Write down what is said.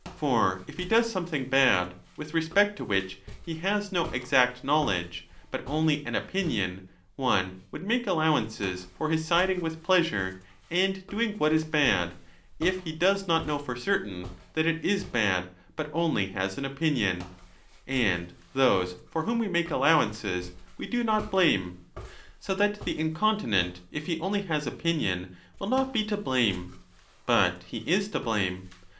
For if he does something bad with respect to which he has no exact knowledge but only an opinion, one would make allowances for his siding with pleasure and doing what is bad, if he does not know for certain that it is bad, but only has an opinion ; and those for whom we 5 make allowances we do not blame. So that the incontinent, if he only has opinion, will not be to blame. But he is to blame.